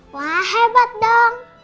wah hebat dong